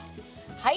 はい。